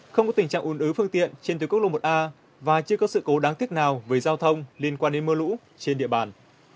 không có tình trạng ồn ứ phương tiện trên tuyến quốc lộ một a và chưa có sự cố đáng tiếc nào về giao thông liên quan đến mưa lũ trên địa bàn